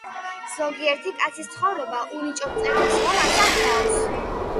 ზოგიერი კაცის ცხოვრება უნიჭო მწერლის რომანსა ჰგავს.